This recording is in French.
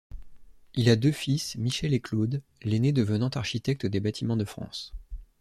Il a deux fils, Michel et Claude, l'aîné devenant architecte des bâtiments de France.